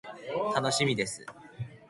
楽しみです。